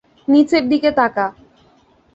নিচের দিকে তাকা।